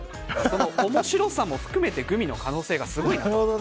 その面白さも含めてグミの可能性がすごいと。